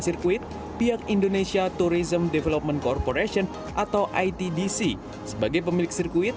sirkuit pihak indonesia tourism development corporation atau itdc sebagai pemilik sirkuit